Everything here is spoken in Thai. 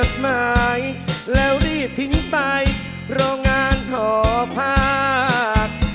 สวัสดีครับ